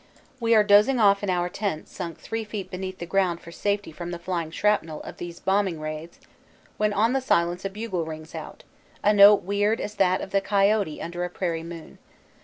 We are dozing off in our tent sunk three feet beneath the ground for safety from the flying shrapnel of these bombing raids when on the silence a bugle rings out, a note weird as that of the coyote under a prairie moon.